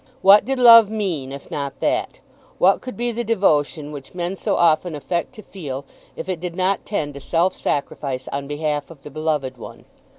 What did love mean if not that? What could be the devotion which men so often affect to feel if it did not tend to self sacrifice on behalf of the beloved one?